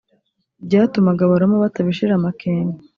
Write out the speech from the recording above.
byatumaga Abaroma batabishira amakenga